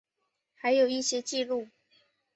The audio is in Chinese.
还有一些记录